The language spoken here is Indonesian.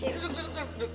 duduk duduk duduk